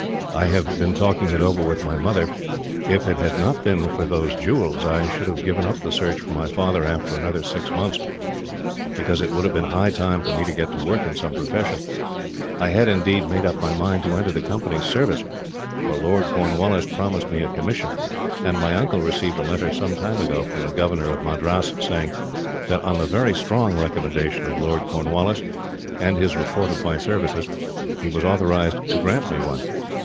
I have been talking it over with my mother. If it had not been for those jewels, I should have given up the search for my father after another six months, because it would have been high time for me to get to work in some profession. I had, indeed, made up my mind to enter the Company's service, for Lord Cornwallis promised me a commission, and my uncle received a letter some time ago, from the governor of Madras, saying that, on the very strong recommendation of Lord Cornwallis, and his report of my services, he was authorised to grant me one.